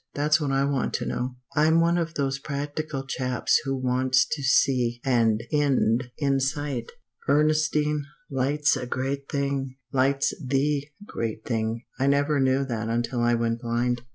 that's what I want to know. I'm one of those practical chaps who wants to see an end in sight. "Ernestine, light's a great thing. Light's the great thing. I never knew that until I went blind.